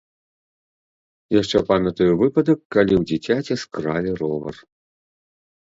Яшчэ памятаю выпадак, калі ў дзіцяці скралі ровар.